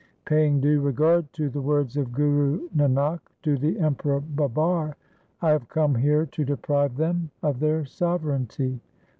Paying due regard to the words of Guru Nanak to the Emperor Babar, I have come here to deprive them of their sovereignty.